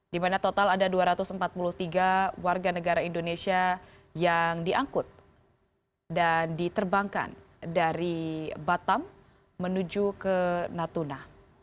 di mana total ada dua ratus empat puluh tiga warga negara indonesia yang diangkut dan diterbangkan dari batam menuju ke natuna